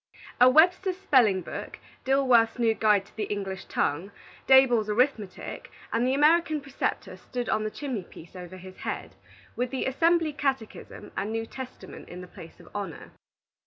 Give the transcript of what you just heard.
A "Webster's Spelling book," "Dilworth's New Guide to the English Tongue," "Daboll's Arithmetic," and the "American Preceptor," stood on the chimney piece over his head, with the "Assembly Catechism," and New Testament, in the place of honor.